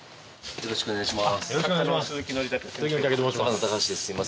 よろしくお願いします